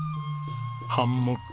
ハンモック！